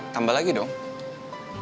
tambah lagi dong